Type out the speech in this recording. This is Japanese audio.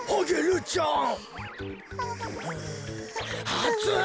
あつい！